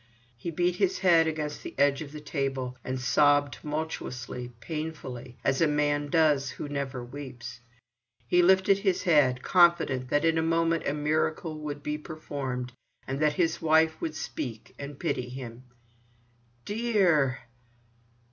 He beat his head against the edge of the table, and sobbed tumultuously, painfully, as a man does who never weeps. He lifted his head, confident that in a moment a miracle would be performed, and that his wife would speak, and pity him. "Dear!"